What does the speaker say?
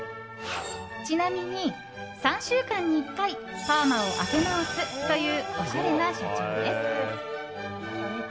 ちなみに３週間に１回パーマを当て直すというおしゃれな社長です。